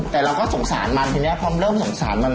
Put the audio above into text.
แต่เราก็สงสารมันทีนี้พอเริ่มสงสารมัน